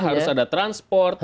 kan harus ada transport